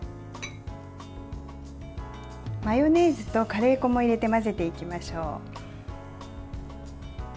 マヨネーズとカレー粉も入れて混ぜていきましょう。